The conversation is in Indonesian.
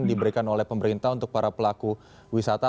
diberikan oleh pemerintah untuk para pelaku wisata